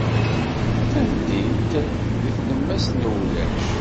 D tamdint deg tlemmast n wulac.